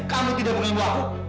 kamu tidak mengganggu aku